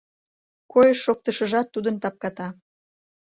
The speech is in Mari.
Койыш-шоктышыжат тудын тапката.